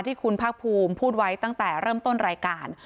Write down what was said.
ที่คุณภาคภูมิพูดไว้ตั้งแต่เริ่มต้นรายการ